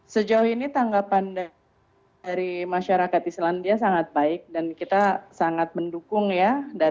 sejauh ini tanggapan dari masyarakat islandia sangat baik dan kita sangat mendukung ya